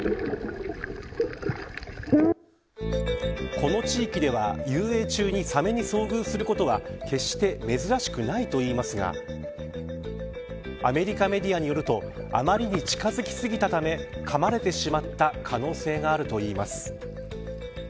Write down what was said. この地域では遊泳中にサメに遭遇することは決して珍しくないといいますがアメリカメディアによると余りに近づき過ぎたためかまれてしまった可能性があるといいます。